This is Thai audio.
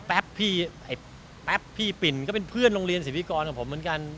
พี่ไอ้แป๊บพี่ปิ่นก็เป็นเพื่อนโรงเรียนสิทธิกรของผมเหมือนกัน